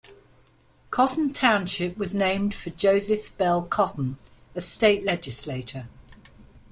Cotton Township was named for Joseph Bell Cotton, a state legislator.